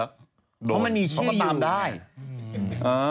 เพราะมันมีชื่ออยู่เพราะมันตามได้